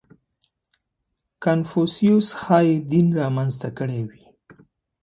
• کنفوسیوس ښایي دین را منځته کړی وي.